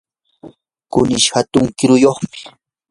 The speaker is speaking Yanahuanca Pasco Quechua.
kunish hatun kiruyuqmi.